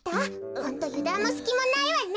ホントゆだんもすきもないわね。